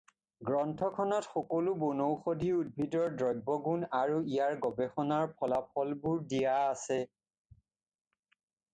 গ্ৰন্থখনত সকলো বনৌষধি উদ্ভিদৰ দ্ৰব্য গুণ আৰু ইয়াৰ গৱেষণাৰ ফলাফলবোৰ দিয়া আছে।